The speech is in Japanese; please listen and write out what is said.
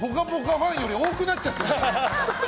ファンより多くなっちゃってる。